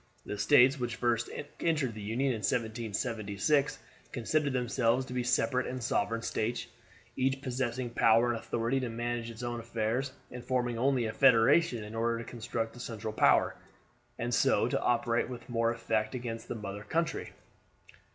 The States which first entered the Union in 1776 considered themselves to be separate and sovereign States, each possessing power and authority to manage its own affairs, and forming only a federation in order to construct a central power, and so to operate with more effect against the mother country.